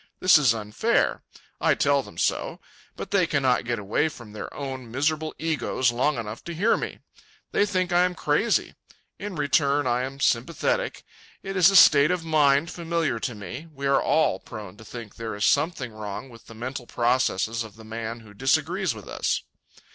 This is unfair. I tell them so. But they cannot get away from their own miserable egos long enough to hear me. They think I am crazy. In return, I am sympathetic. It is a state of mind familiar to me. We are all prone to think there is something wrong with the mental processes of the man who disagrees with us.